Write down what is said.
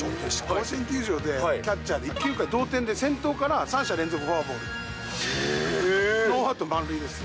甲子園球場でキャッチャーで９回裏で同点で、先頭から３者連続フォアボール、ノーアウト満塁ですよ。